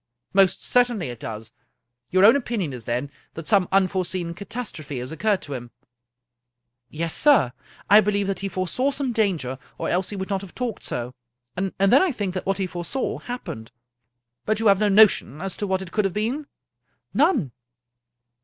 " Most certainly it does. Your own opinion is, then, that some unforeseen catastrophe has occurred to him ?"" Yes, sir. I believe that he foresaw some danger, or else he would not have talked so. And then I think that what he foresaw happened." " But you have no notion as to what it could hiave been?" " None."